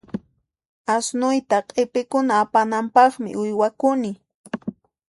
Asnuyta q'ipikuna apananpaqmi uywakuni.